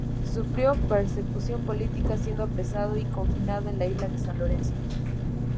Sufrió persecución política, siendo apresado y confinado en la isla de San Lorenzo.